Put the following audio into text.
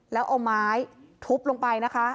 แล้วเอาไม้ทุบลงไปนะคะ